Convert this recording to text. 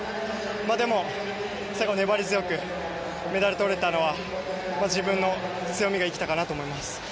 でも最後、粘り強くメダルをとれたのは自分の強みが生きたかなと思います。